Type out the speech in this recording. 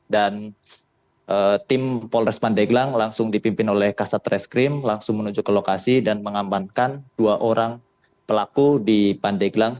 dan tim polres pandeglang langsung dipimpin oleh ksat reskrim langsung menuju ke lokasi dan mengambankan dua orang pelaku di pandeglang